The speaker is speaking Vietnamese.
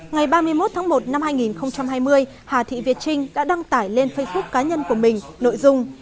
ngày ba mươi một tháng một năm hai nghìn hai mươi hà thị việt trinh đã đăng tải lên facebook cá nhân của mình nội dung